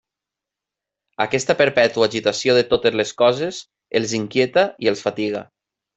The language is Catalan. Aquesta perpètua agitació de totes les coses els inquieta i els fatiga.